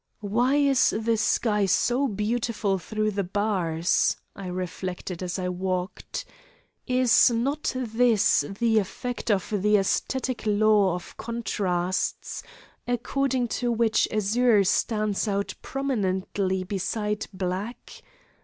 "Why is the sky so beautiful through these bars?" I reflected as I walked. "Is not this the effect of the aesthetic law of contrasts, according to which azure stands out prominently beside black?